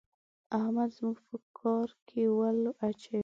احمد زموږ په کار کې ول اچوي.